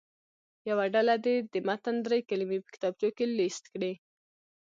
یوه ډله دې د متن دري کلمې په کتابچو کې لیست کړي.